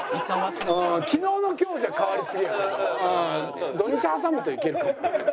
昨日の今日じゃ変わりすぎやけど土日挟むといけるかも。